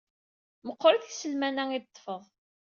Meqqrit yiselman-a i d-teṭṭfeḍ.